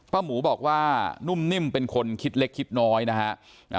หมูบอกว่านุ่มนิ่มเป็นคนคิดเล็กคิดน้อยนะฮะ